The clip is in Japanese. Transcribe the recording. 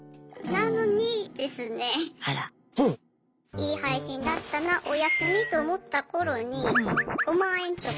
いい配信だったなおやすみと思った頃に５万円とか上限